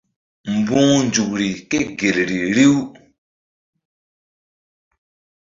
Mbu̧h nzukri ke gel ri riw.